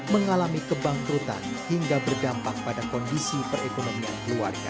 mengalami kebangkrutan hingga berdampak pada kondisi perekonomian keluarga